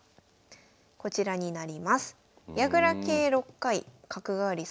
こちらになります。